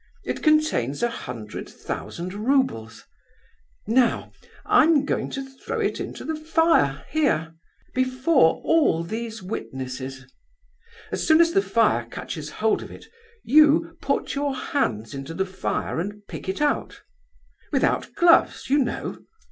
It contains a hundred thousand roubles. Now, I'm going to throw it into the fire, here—before all these witnesses. As soon as the fire catches hold of it, you put your hands into the fire and pick it out—without gloves, you know.